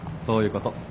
そういうこと。